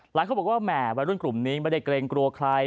เขาบอกว่าแหมวัยรุ่นกลุ่มนี้ไม่ได้เกรงกลัวใคร